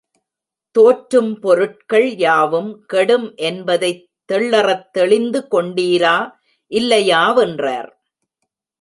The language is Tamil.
தோற்றும் பொருட்கள் யாவும் கெடும் என்பதைத் தெள்ளறத் தெளிந்து கொண்டீரா இல்லையாவென்றார்.